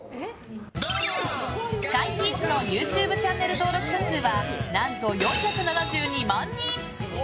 スカイピースのＹｏｕＴｕｂｅチャンネル登録者数は何と、４７２万人！